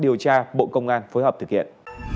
điều tra bộ công an phối hợp thực hiện